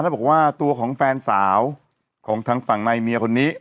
แล้วบอกว่าตัวของแฟนสาวของทางฝั่งนายเมียคนนี้